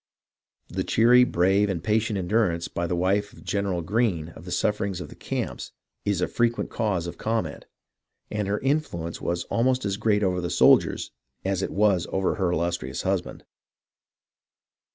The cheery, brave, and patient endurance by the wife of General Greene of the sufferings of the camps is a frequent cause of comment, and her influence was almost as great over the soldiers as it was over her illustrious husband.